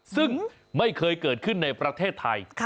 ซึ่งไม่เคยเกิดขึ้นในประเทศไทย